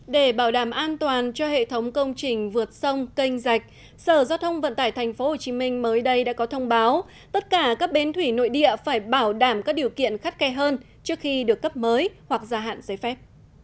để bảo đảm an toàn cho hệ thống công trình vượt sông canh rạch sở giao thông vận tải tp hcm mới đây đã có thông báo tất cả các bến thủy nội địa phải bảo đảm các điều kiện khắt khe hơn trước khi được cấp mới hoặc gia hạn giấy phép